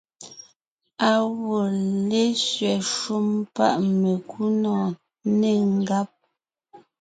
Á wɔ́ lésẅɛ shúm páʼ mekúnɔ̀ɔn, nê ngáb.